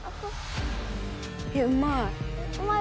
・いやうまい。